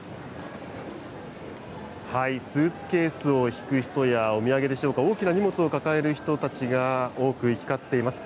スーツケースを引く人や、お土産でしょうか、大きな荷物を抱える人たちが多く行き交っています。